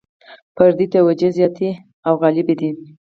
فردي توجیې زیاتې او غالبې دي.